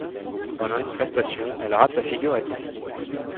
Pendant une prestation, elle rate sa figure et tombe.